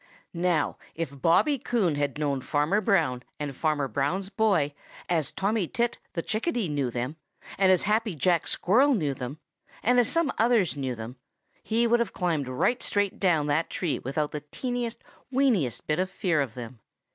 Now if Bobby Coon had known Farmer Brown and Farmer Brown's boy as Tommy Tit the Chickadee knew them, and as Happy Jack Squirrel knew them, and as some others knew them, he would have climbed right straight down that tree without the teeniest, weeniest bit of fear of them.